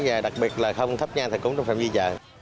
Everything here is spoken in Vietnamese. và đặc biệt là không thấp nhanh thành công trong phòng di trợ